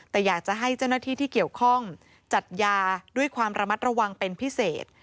แต่อยากจะให้เจ้าหน้าที่ที่เกี่ยวข้องจัดยาด้วยความระมัดระวังเป็นพิเศษ